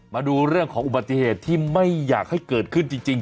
มาดูเรื่องของอุบัติเหตุที่ไม่อยากให้เกิดขึ้นจริง